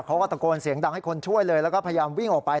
เขาก็ตะโกนเสียงดังให้คนช่วยเลยแล้วก็พยายามวิ่งออกไป